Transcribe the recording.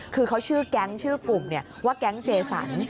คือเขาชื่อแก๊งชื่อกลุ่มว่าแก๊งเจสัน